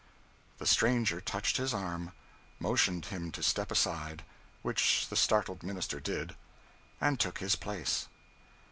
The stranger touched his arm, motioned him to step aside – which the startled minister did – and took his place.